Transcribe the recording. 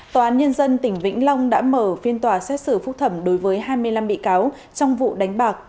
tòa án nhân dân tỉnh vĩnh long đã mở phiên tòa xét xử phúc thẩm đối với hai mươi năm bị cáo trong vụ đánh bạc